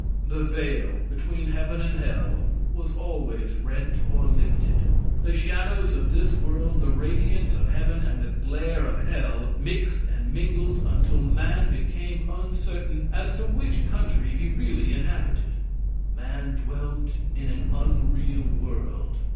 The veil between heaven and earth was always rent or lifted. The shadows of this world, the radiance of heaven, and the glare of hell mixed and mingled until man became uncertain as to which country he really inhabited. Man dwelt in an unreal world.